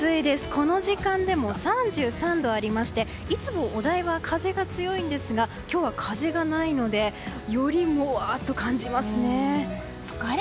この時間でも３３度ありましていつもお台場は風が強いんですが今日は風がないのでより、もわーっと感じますね。